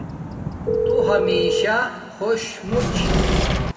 تو ہمشہ خوش موچ